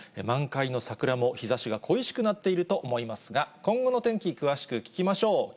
満開の桜も日ざしが恋しくなっていると思いますが、今後の天気、詳しく聞きましょう。